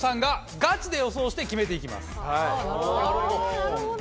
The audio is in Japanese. なるほど。